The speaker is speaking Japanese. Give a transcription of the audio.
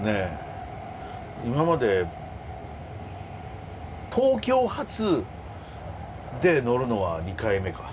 今まで東京発で乗るのは２回目か。